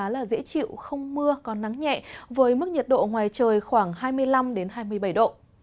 nó khá dễ chịu không mưa còn nắng nhẹ với mức nhiệt độ ngoài trời khoảng hai mươi năm đến hai mươi bảy độ